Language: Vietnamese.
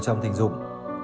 trong tình dung